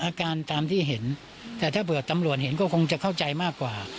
อาการตามที่เห็นแต่ถ้าเผื่อตำรวจเห็นก็คงจะเข้าใจมากกว่า